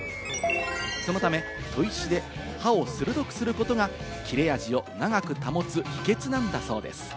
そのため、研石で刃を鋭くすることが、切れ味を長く保つ秘訣なんだそうです。